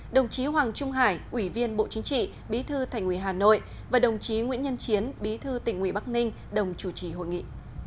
đồng chí hoàng trung hải ủy viên bộ chính trị bí thư thành ủy hà nội và đồng chí nguyễn nhân chiến bí thư tỉnh ủy bắc ninh đồng chủ trì hội nghị